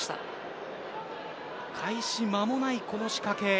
開始間もない、この仕掛け。